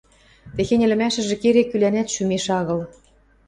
Техень ӹлӹмӓшӹжӹ керек-кӱлӓнӓт шӱмеш агыл.